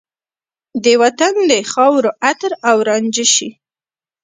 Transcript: د وطن د خاورو عطر او رانجه شي